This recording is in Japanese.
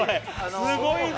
すごいな。